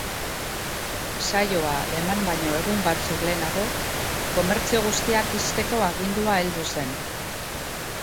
Saioa eman baino egun batzuk lehenago, komertzio guztiak ixteko agindua heldu zen.